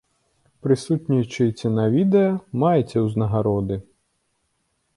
Прысутнічаеце на відэа, маеце ўзнагароды.